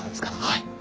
はい。